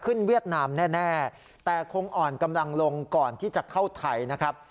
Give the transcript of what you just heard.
เวียดนามแน่แต่คงอ่อนกำลังลงก่อนที่จะเข้าไทยนะครับ